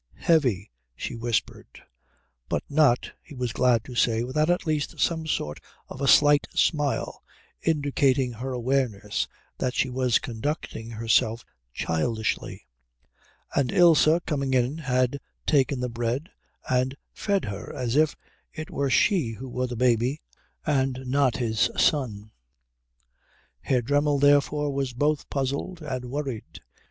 "Heavy," she whispered, but not, he was glad to say, without at least some sort of a slight smile indicating her awareness that she was conducting herself childishly, and Ilse, coming in, had taken the bread and fed her as if it were she who were the baby and not his son. Herr Dremmel, therefore, was both puzzled and worried.